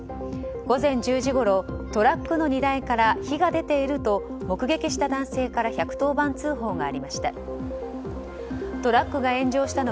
午前１０時ごろトラックの荷台から火が出ていると目撃した男性から１１０番通報がありました。